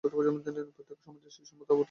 প্রত্যেক সমাজে শিশুর মত অবোধ মানুষ আছে।